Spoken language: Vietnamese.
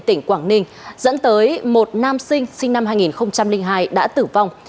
tỉnh quảng ninh dẫn tới một nam sinh năm hai nghìn hai đã tử vong